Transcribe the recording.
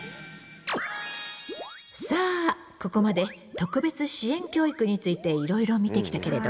さあここまで特別支援教育についていろいろ見てきたけれど。